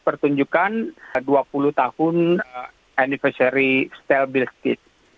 pertunjukan dua puluh tahun anniversary style bill skit